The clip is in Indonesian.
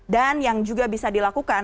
dan yang juga bisa dilakukan